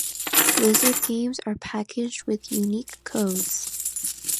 Blizzard games are packaged with unique codes.